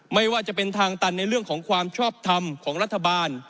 ไม่ว่าจะเป็นทางตันในเรื่องของความชอบทำของรัฐบาล